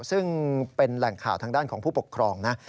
ซึ่งเป็นแหล่งข่าวทางด้านของผู้ปกครองนะ